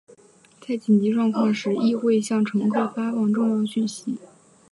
在紧急状况时亦会向乘客发放重要讯息。